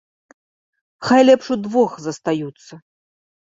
Хай лепш удвох застаюцца!